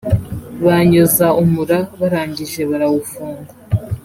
banyoza umura barangije barawufunga